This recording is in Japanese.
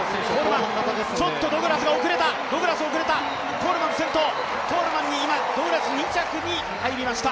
コールマン先頭ドグラス２着に入りました。